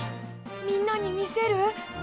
みんなに見せる？